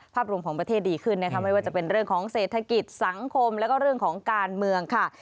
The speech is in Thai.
ภาพรวมของประเทศดีขึ้นนะคะไม่ว่าจะเป็นเรื่องของเศรษฐกิจสังคมแล้วก็เรื่องของการเมืองค่ะ